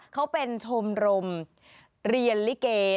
เขาเป็นชมรมเรียนลิเก